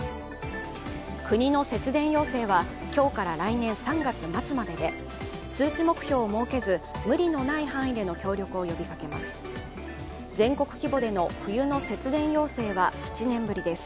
国の節電要請は今日から来年３月末までで数値目標を設けず無理のない範囲での協力を呼びかけます。